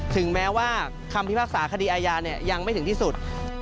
ถึงแม้ว่าคำพิพากษาคดีอาญายังไม่ถึงที่สุด